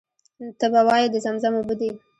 ته به وایې د زمزم اوبه دي.